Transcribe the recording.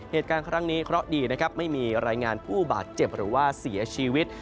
เหตุการณ์ครั้งนี้เคราะห์ดีนะครับไม่มีรายงานผู้บาดเจ็บหรือว่าเสียชีวิต